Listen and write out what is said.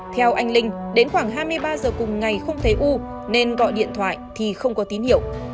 theo anh linh đến khoảng hai mươi ba giờ cùng ngày không thấy u nên gọi điện thoại thì không có tín hiệu